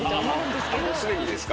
すでにですか？